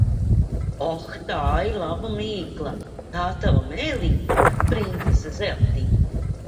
Oh, tā ir laba mīkla! Tā tava mēlīte, princese Zeltīte.